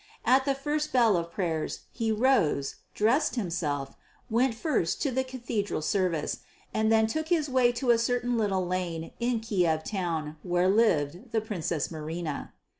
At the first bell for prayers he rose, dressed himself, went first to the cathedral service, and then took his way to a certain little lane in Kiev town where lived the Princess Marina.